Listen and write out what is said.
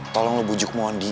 tolong kamu bujuk mondi